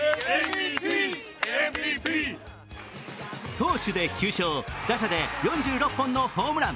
投手で９勝、打者で４６本のホームラン。